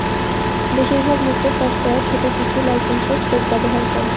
বেশিরভাগ মুক্ত সফটওয়্যার ছোট কিছু লাইসেন্সের সেট ব্যবহার করে।